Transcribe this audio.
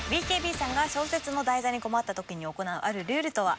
ＢＫＢさんが小説の題材に困った時に行うあるルールとは？